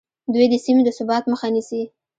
دوی د سیمې د ثبات مخه نیسي